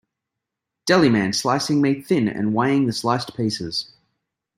Deli man slicing meat thin and weighing the sliced pieces.